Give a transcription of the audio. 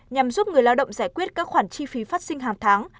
nhằm giúp người lao động giải quyết các khoản chi phí phát sinh hàng tháng